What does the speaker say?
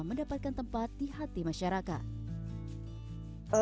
mendapatkan tempat di hati masyarakat